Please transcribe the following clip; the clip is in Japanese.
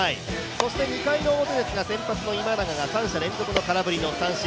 そして２回表ですが、先発の今永が３者連続の空振りの三振。